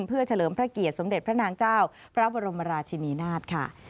เพื่อเฉลิมพระเกียรติสมเด็จพระนางเจ้าพระบรมราชินีนาฏค่ะ